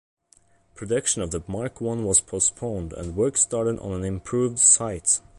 Production of the Mark One was postponed and work started on an improved sight.